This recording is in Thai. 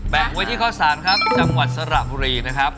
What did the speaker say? ไว้ที่ข้อ๓ครับจังหวัดสระบุรีนะครับ